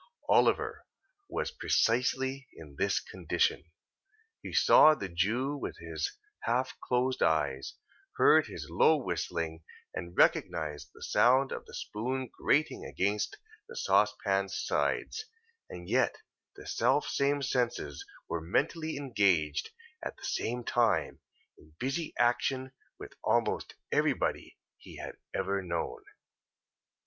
Oliver was precisely in this condition. He saw the Jew with his half closed eyes; heard his low whistling; and recognised the sound of the spoon grating against the saucepan's sides: and yet the self same senses were mentally engaged, at the same time, in busy action with almost everybody he had ever known.